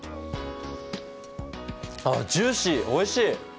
あジューシーおいしい！